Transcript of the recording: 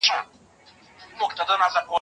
لکه مړی وو بې واکه سوی سکور وو